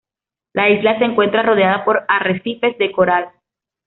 La isla se encuentra rodeada por arrecifes de coral.